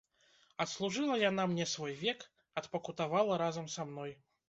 Адслужыла яна мне свой век, адпакутавала разам са мной.